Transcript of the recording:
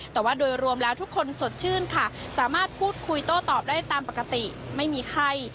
แต่ว่าโดยรวมแล้วทุกคนสดชื่นค่ะสามารถพูดคุยโต้ตอบได้ตามปกติไม่มีไข้